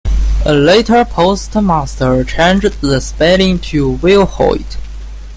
A later postmaster changed the spelling to "Willhoit".